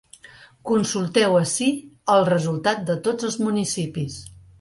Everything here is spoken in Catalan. Consulteu ací el resultat de tots els municipis.